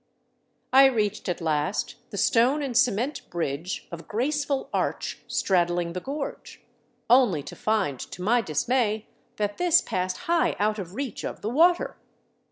I reached at last the stone and cement bridge of graceful arch straddling the gorge, only to find, to my dismay, that this passed high out of reach of the water.